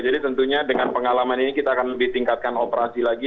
jadi tentunya dengan pengalaman ini kita akan lebih tingkatkan operasi lagi